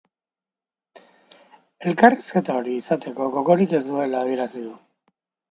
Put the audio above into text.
Elkarrizketa hori izateko gogorik ez duela adierazi du.